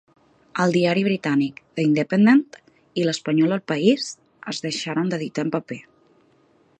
El diari britànic "The Independent" i l'espanyol El País es deixaran d'editar en paper.